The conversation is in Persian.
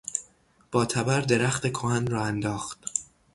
با تبر درخت کهن را انداخت.